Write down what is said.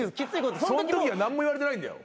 そんときは何も言われてないんだよ。